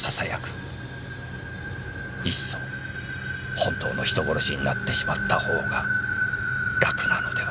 「いっそ本当の人殺しになってしまったほうが楽なのでは？」